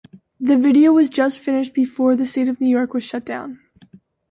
The video was just finished before the state of New York was shutdown.